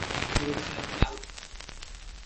আমি তো ভেবেছিলাম তুমি আল্লাহ্ কে মানো না।